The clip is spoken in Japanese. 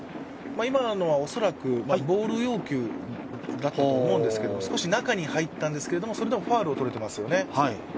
今のは恐らくボール要求だと思うんですけど、少し中に入ったんですけど、それでもファウルを取れていますよね。